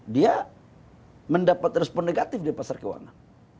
dia mendapat respon negatif di pasar keuangan